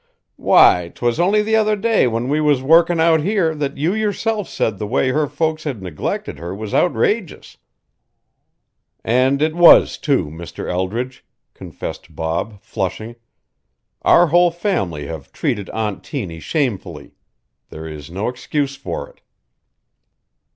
"Why, 'twas only the other day when we was workin' out here that you yourself said the way her folks had neglected her was outrageous." "And it was, too, Mr. Eldridge," confessed Bob, flushing. "Our whole family have treated Aunt Tiny shamefully. There is no excuse for it."